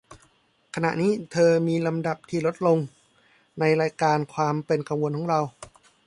ขณะนี้เธอมีลำดับที่ลดลง ในรายการความเป็นกังวลของเรา